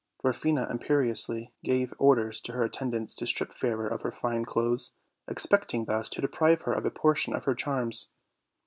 Dwarfina imperiously gave orders to her attendants to strip Fairer of her fine clothes, expecting thus to deprive her of a portion of her charms.